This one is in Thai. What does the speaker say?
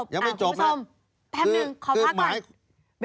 ยังไม่จบคุณผู้ชมแปปหนึ่งขอพักก่อนคือหมายยังไม่จบนะ